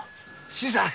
新さん。